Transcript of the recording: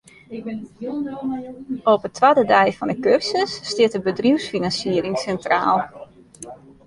Op 'e twadde dei fan 'e kursus stiet de bedriuwsfinansiering sintraal.